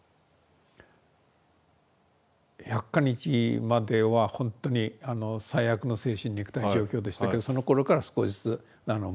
百箇日まではほんとに最悪の精神肉体状況でしたけどそのころから少しずつ前向きになっていったと。